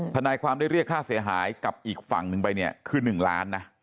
ทนายความได้เรียกค่าเสียหายกับอีกฝั่งหนึ่งไปเนี่ยคือ๑ล้านนะ